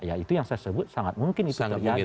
ya itu yang saya sebut sangat mungkin itu terjadi